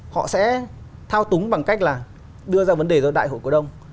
họ sẽ thao túng bằng cách là đưa ra vấn đề cho đại hội cổ đông